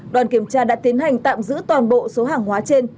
đoàn kiểm tra đã tiến hành tạm giữ toàn bộ số hàng hóa trên